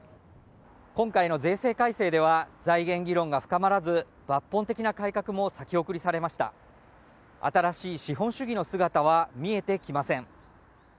今回の税制改正では財源議論が深まらず抜本的な改革も先送りされました新しい資本主義の姿は見えてきません